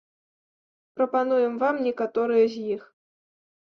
Прапануем вам некаторыя з іх.